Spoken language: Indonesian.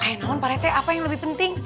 i know pak rete apa yang lebih penting